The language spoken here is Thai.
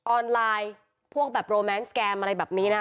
ออนไลน์พวกแบบโรแมนสแกมอะไรแบบนี้นะคะ